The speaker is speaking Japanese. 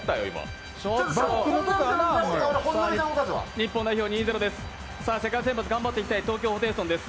日本代表２−０です。